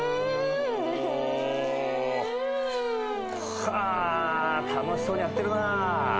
はあ楽しそうにやってるなあ。